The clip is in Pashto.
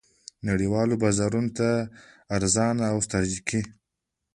نړیوالو بازارونو ته ارزانه او ستراتیژیکې